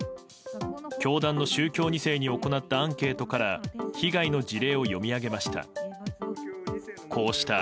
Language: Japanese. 教団の宗教２世に行ったアンケートから被害の事例を読み上げました。